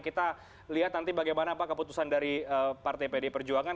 kita lihat nanti bagaimana pak keputusan dari partai pd perjuangan